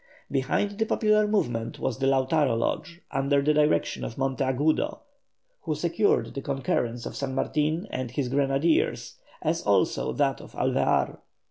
Behind the popular movement was the Lautaro Lodge under the direction of Monteagudo, who secured the concurrence of San Martin and his grenadiers, as also that of Alvear.